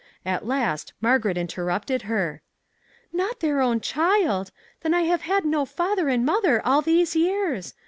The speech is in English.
At last Margaret interrupted her " Not their own child! then I have had no father and 399 MAG AND MARGARET mother all these years!